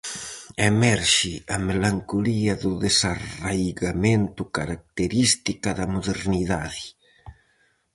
Emerxe a melancolía do desarraigamento característica da modernidade.